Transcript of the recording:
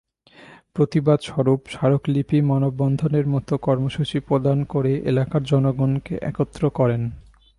প্রতিবাদস্বরূপ স্মারকলিপি, মানববন্ধনের মতো কর্মসূচি প্রদান করে এলাকার জনগণকে একত্র করেন।